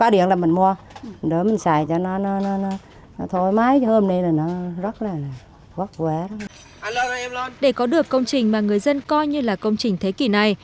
để có được công trình mà người dân coi như là công trình thế kỷ này